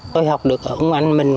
tôi học được ở ngoài mình